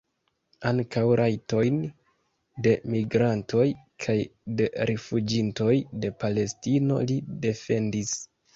Ankaŭ rajtojn de migrantoj kaj de rifuĝintoj de Palestino li defendis.